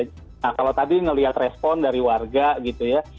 nah kalau tadi ngelihat respon dari warga gitu ya